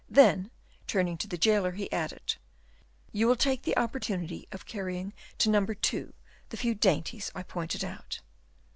Then, turning to the jailer, he added: "You will take the opportunity of carrying to No. 2 the few dainties I pointed out."